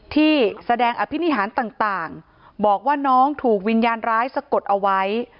ที่แสดงอภินิหารต่างบอกว่าน้องถูกวิญญาณร้ายสะกดเอาไว้